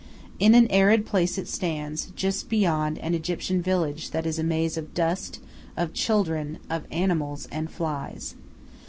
In an arid place it stands, just beyond an Egyptian village that is a maze of dust, of children, of animals, and flies.